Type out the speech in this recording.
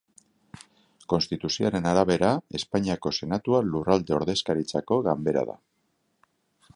Konstituzioaren arabera, Espainiako Senatua lurralde ordezkaritzako ganbera da.